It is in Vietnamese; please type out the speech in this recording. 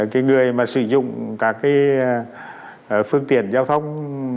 cái người mà sử dụng các cái phương tiện giao thông